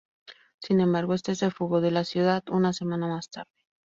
Sin embargo, este se fugó de la ciudad una semana más tarde.